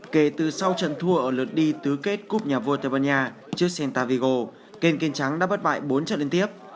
kể từ sau trận thua ở lượt đi tứ kết cúp nhà vua tây ban nha trước santa vigo kênh kênh trắng đã bất bại bốn trận liên tiếp